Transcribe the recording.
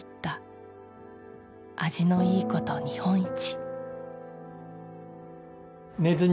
「味のいいこと日本一」